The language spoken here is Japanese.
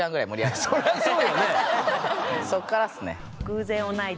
そっからっすね。